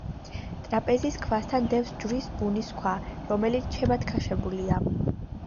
ტრაპეზის ქვასთან დევს ჯვრის ბუნის ქვა, რომელიც შებათქაშებულია.